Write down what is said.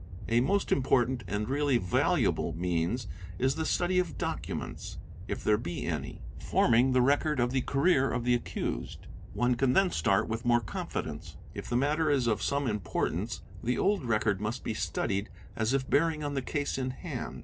A most important and really valuable means is the study of docu — ments, if there be any, forming the record of the career of the accused. — One can then start with more confidence. If the matter is of some — importance, the old record must be studied as if bearing on the case in — hand.